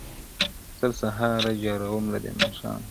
سل سهاره جاروم له دې ماښامه,